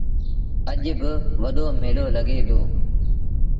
اَڄ با وڏو ميلو لڳي دو۔